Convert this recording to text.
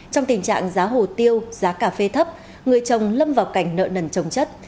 trong tình trạng giá hồ tiêu giá cà phê thấp người trồng lâm vào cảnh nợ nần trồng chất